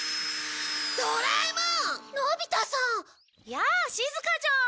やあしずかちゃん。